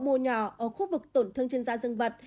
mô nhỏ ở khu vực tổn thương trên da rừng vật